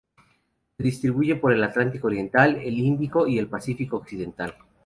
Se distribuye por el Atlántico oriental, el Índico y el Pacífico occidental.